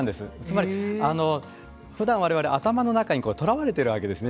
ふだん我々頭の中でとらわれているわけですね。